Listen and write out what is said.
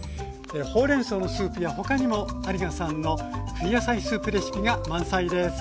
ほうれんそうのスープや他にも有賀さんの冬野菜スープレシピが満載です。